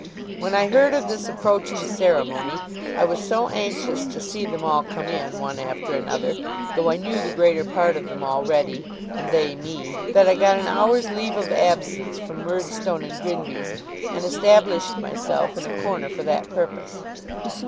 When I heard of this approaching ceremony, I was so anxious to see them all come in, one after another, though I knew the greater part of them already, and they me, that I got an hour's leave of absence from Murdstone and Grinby's, and established myself in a corner for that purpose.